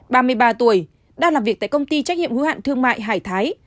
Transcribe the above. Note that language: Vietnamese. ba mươi ba tuổi đang làm việc tại công ty trách nhiệm hữu hạn thương mại hải thái